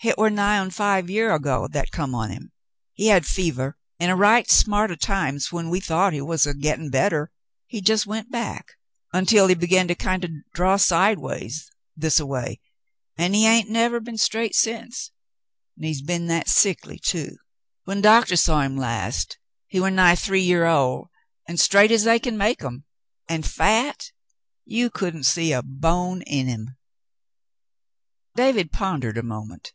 Hit war nigh on five year ago that come on him. He had fevah, an' a right smart o' times when we thought he war a gettin' bettah he jes' went back, ontwell he began to kind o' draw sideways this a way, an' he hain't nevah been straight sence, an' he has been that sickly, too. When doctah saw him last, he war nigh three year old an' straight as they make 'em, an' fat — you couldn't see a bone in him." David pondered a moment.